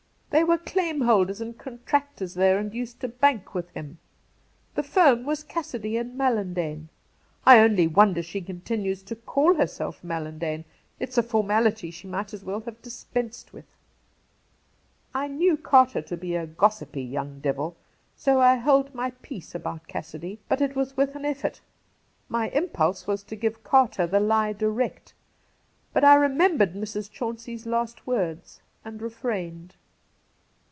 They were claim holders and contractors there and used to bank with him. The firm was Cassidy and Mallandane. I only wonder she continues to call herself Mallandane. It's a formality she might. as well have dispensed, with.' I knew Carter to be a gossipy young devil, so I held my peace about Cassidy ; but it was with an effort. My impulse was to give Carter the lie direct, but I remembered Mrs. Chauncey's last words and refrained.